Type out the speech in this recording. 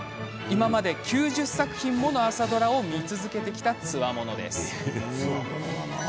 今まで９０作品もの朝ドラを見続けてきた、つわものです。